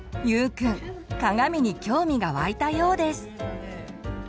ゆうくん鏡に興味が湧いたようです。